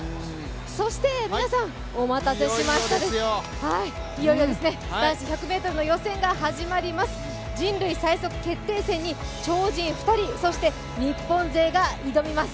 そして皆さんお待たせしました、いよいよですね、男子１００ｍの予選が始まります、人類最速決定戦に超人２人、そして日本勢が挑みます。